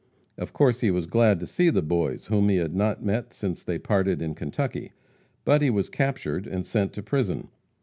Of course he was glad to see the Boys whom he had not met since they parted in Kentucky, when he was captured and sent to prison.